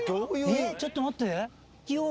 えっちょっと待って。